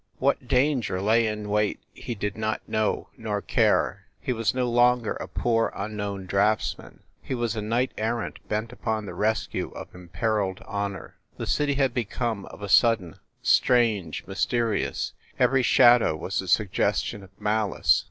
What danger lay in wait he did not know, nor care. He was no longer a poor, unknown draftsman; he was a knight errant bent upon the rescue of imperiled honor. The city had become, of a sudden, strange, mysterious; every shadow was a suggestion of malice.